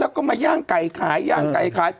แล้วก็มาย่างไก่ขายย่างไก่ขาย